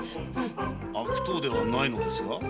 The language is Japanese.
悪党ではないのですか？